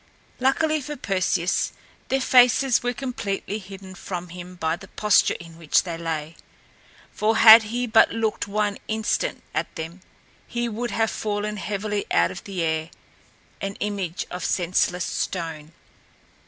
Luckily for Perseus, their faces were completely hidden from him by the posture in which they lay, for had he but looked one instant at them, he would have fallen heavily out of the air, an image of senseless stone.